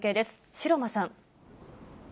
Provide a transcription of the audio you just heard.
城間さん。